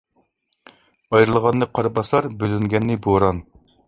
ئايرىلغاننى قار باسار، بۆلۈنگەننى بوران.